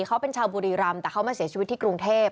เขาเป็นชาวบุรีรำแต่เขามาเสียชีวิตที่กรุงเทพ